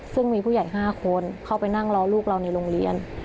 ซึ่งมีผู้ใหญ่๕คนเข้าไปนั่งรอลูกเราในโรงเรียน